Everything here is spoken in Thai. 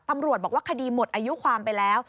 ตำรวจบอกว่าคดีหมดอายุความไปแล้ว